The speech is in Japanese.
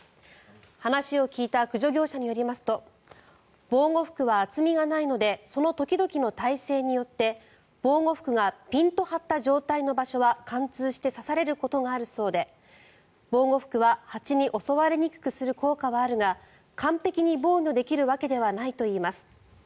話を聞いた駆除業者によりますと防護服は厚みがないのでその時々の体勢によって防護服がピンと張った状態の場所は貫通して刺されることがあるそうで防護服は、蜂に襲われにくくする効果はあるが完璧に防御できるわけではないといいます。